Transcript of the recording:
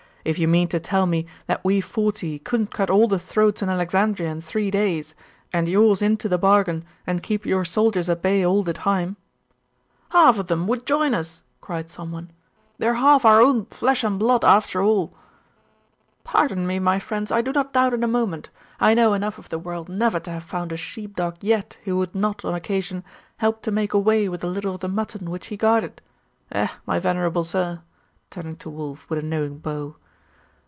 If you mean to tell me that we forty couldn't cut all the throats in Alexandria in three days, and yours into the bargain, and keep your soldiers at bay all the time ' 'Half of them would join us!' cried some one. 'They are half our own flesh and blood after all!' 'Pardon me, my friends, I do not doubt it a moment. I know enough of the world never to have found a sheep dog yet who would not, on occasion, help to make away with a little of the mutton which he guarded. Eh, my venerable sir?' turning to Wulf with a knowing bow.